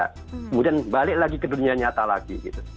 kemudian balik lagi ke dunia nyata lagi